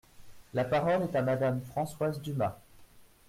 La parole est à Madame Françoise Dumas.